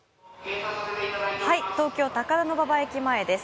東京・高田馬場駅前です。